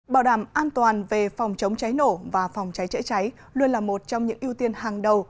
bảo đảm an toàn về phòng chống cháy nổ và phòng cháy chữa cháy luôn là một trong những ưu tiên hàng đầu